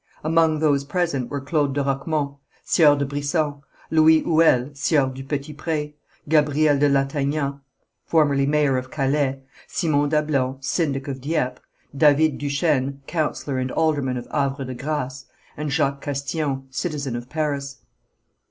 Among those present were Claude de Roquemont, Sieur de Brison, Louis Hoüel, Sieur du Petit Pré, Gabriel de Lattaignant, formerly mayor of Calais, Simon Dablon, syndic of Dieppe, David Duchesne, councillor and alderman of Havre de Grâce, and Jacques Castillon, citizen of Paris.